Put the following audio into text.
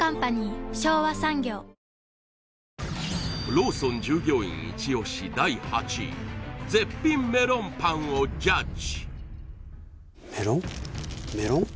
ローソン従業員イチ押し第８位絶品メロンパンをジャッジ！